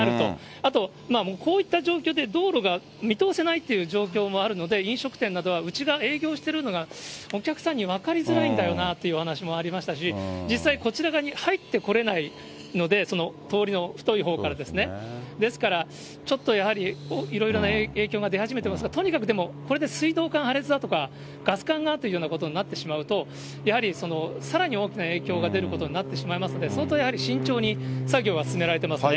あと、こういった状況で道路が見通せないという状況もあるので、飲食店などはうちが営業しているのが、お客さんに分かりづらいんだよなというお話もありましたし、実際、こちら側に入ってこれないので、通りの太いほうからですね、ですから、ちょっとやはり、いろいろな影響が出始めてますが、とにかくでも、これで水道管破裂だとか、ガス管がというようなことになってしまうと、やはり、さらに大きな影響が出ることになってしまいますんで、相当やはり慎重に作業は進められてますね。